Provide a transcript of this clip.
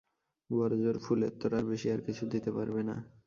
বড়োজোর ফুলের তোড়ার বেশি আর কিছু দিতে পারবে না।